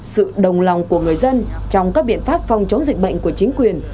sự đồng lòng của người dân trong các biện pháp phòng chống dịch bệnh của chính quyền